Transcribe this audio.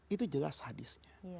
itu jelas hadisnya